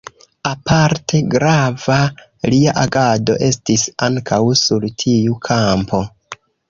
Aparte grava lia agado estis ankaŭ sur tiu kampo.